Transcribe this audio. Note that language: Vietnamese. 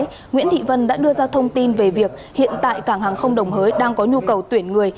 nguyễn thị vân đã đưa ra thông tin về việc hiện tại cảng hàng không đồng hới đang có nhu cầu tuyển người